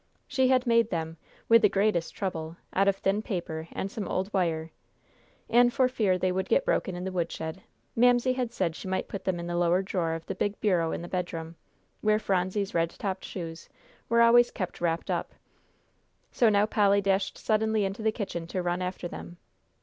She had made them, with the greatest trouble, out of thin paper and some old wire, and for fear they would get broken in the woodshed, Mamsie had said she might put them in the lower drawer of the big bureau in the bedroom, where Phronsie's red topped shoes were always kept wrapped up. So now Polly dashed suddenly into the kitchen to run after them.